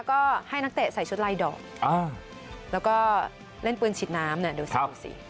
ก็ให้นักเตะใส่ชุดลายดอกแล้วก็เล่นปืนฉีดน้ำเนี่ยดูสิดูสิ